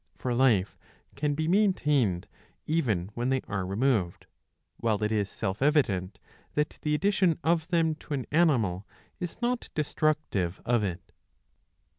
For life can be maintained even when they are removed ; while it is self evident that the addition of them to an animal is not destructive of it.